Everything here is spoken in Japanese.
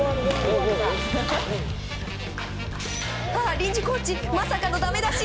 臨時コーチまさかのだめ出し。